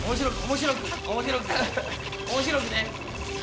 面白くね。